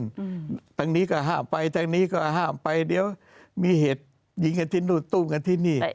ทางนี้ก็ห้ามไปทางนี้ก็ห้ามไปเดี๋ยวมีเหตุยิงกันที่นู่นตุ้มกันที่นี่